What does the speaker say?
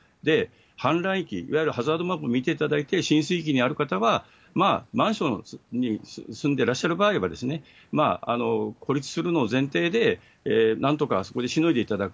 氾濫域、いわゆるハザードマップを見ていただいて、浸水域にある方はマンションに住んでらっしゃる場合は、孤立するのを前提で、なんとかそこでしのいでいただく。